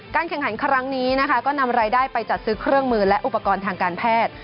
แข่งขันครั้งนี้นะคะก็นำรายได้ไปจัดซื้อเครื่องมือและอุปกรณ์ทางการแพทย์